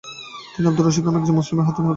তিনি আব্দুল রশিদ নামে একজন মুসলিমের হাতে নিহত হন।